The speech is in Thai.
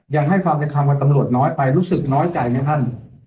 ยังให้ความเป็นคำว่าตำรวจน้อยไปรู้สึกน้อยใจไหมครับ